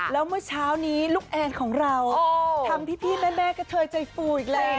แล้วเมื่อเช้านี้ลูกแอนของเราทำพี่แม่กระเทยใจฟูอีกแล้ว